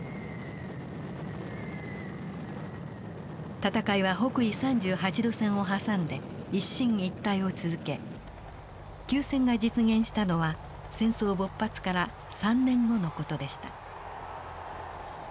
戦いは北緯３８度線を挟んで一進一退を続け休戦が実現したのは戦争勃発から３年後の事でした。